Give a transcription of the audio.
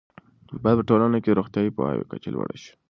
باید په ټولنه کې د روغتیايي پوهاوي کچه لوړه شي.